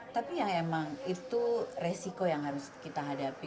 tapi ya emang itu resiko yang harus kita hadapi